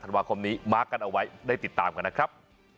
ธันวาคมนี้มาร์คกันเอาไว้ได้ติดตามกันนะครับ